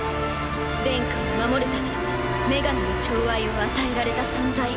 殿下を守るため女神の寵愛を与えられた存在。